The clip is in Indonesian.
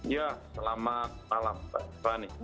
ya selamat malam pak ani